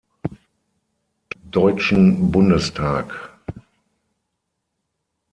Deutschen Bundestag.